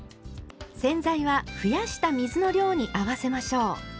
洗剤は増やした水の量に合わせましょう。